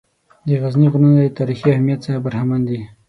د غزني غرونه د تاریخي اهمیّت څخه برخمن دي.